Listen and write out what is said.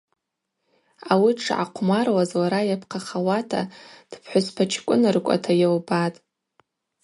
Ауи дшгӏахъвмаруаз лара йапхъахауата дпхӏвыспачкӏвыныркӏвата йылбатӏ.